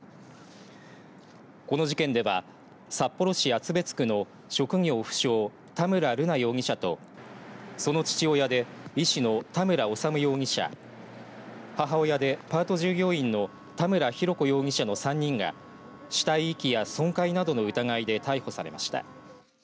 この事件では、札幌市厚別区の職業不詳、田村瑠奈容疑者とその父親で医師の田村修容疑者母親でパート従業員の田村浩子容疑者の３人が死体遺棄や損壊などの疑いで逮捕されました。